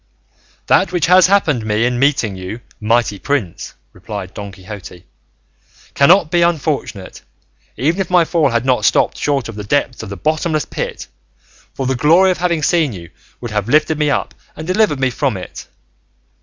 "That which has happened me in meeting you, mighty prince," replied Don Quixote, "cannot be unfortunate, even if my fall had not stopped short of the depths of the bottomless pit, for the glory of having seen you would have lifted me up and delivered me from it.